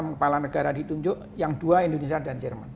enam kepala negara ditunjuk yang dua indonesia dan jerman